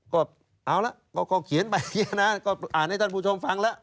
ก็เอาละก็เขียนไปนะก็อ่านให้ท่านผู้ชมฟังแล้ว